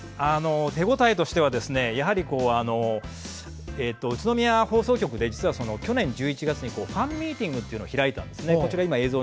手応えとしては宇都宮放送局で実は去年１１月にファンミーティングというのを開いたんですね。